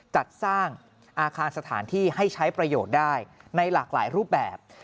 จัดสร้างอาคารสถานที่ให้ใช้ประโยชน์ได้ในหลากหลายรูปแบบ